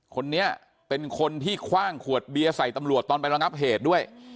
คนนี้เป็นคนที่คว่างขวดเบียร์ใส่ตำรวจตอนไประงับเหตุด้วย